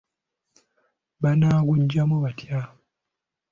Baanaguggyamu batya?